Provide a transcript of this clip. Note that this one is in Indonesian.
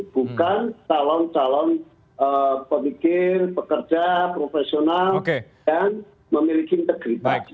bukan calon calon pemikir pekerja profesional dan memiliki integritas